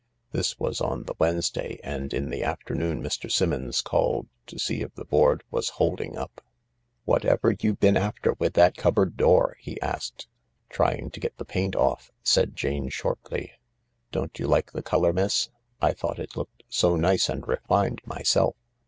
This was on the Wednesday, and in the afternoon Mr. Simmons called " to see if the board was holding up." G 98 THE LARK " Whatever you been after with that cupboard door ?" he asked. "Trying to get the paint off," said Jane shortly. " Don't you like the colour, miss ? I thought it looked so nice and refined myself."